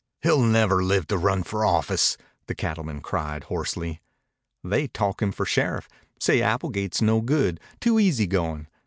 "He'll never live to run for office!" the cattleman cried hoarsely. "They talk him for sheriff. Say Applegate's no good too easy going.